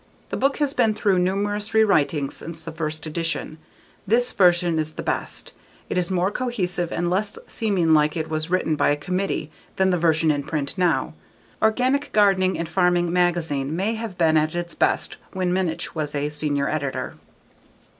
The book has been through numerous rewritings since the first edition; this version is the best. It is more cohesive and less seeming like it was written by a committee than the version in print now. _Organic Gardening and Farming _magazine may have been at its best when Minnich was a senior editor.